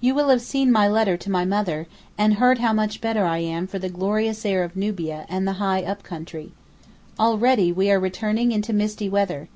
You will have seen my letter to my mother, and heard how much better I am for the glorious air of Nubia and the high up country. Already we are returning into misty weather.